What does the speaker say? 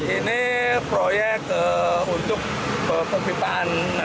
ini proyek untuk kepipaan